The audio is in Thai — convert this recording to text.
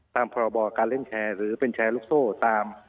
พรบการเล่นแชร์หรือเป็นแชร์ลูกโซ่ตาม